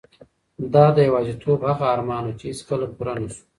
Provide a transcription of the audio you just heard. دا د یوازیتوب هغه ارمان و چې هیڅکله پوره نشو.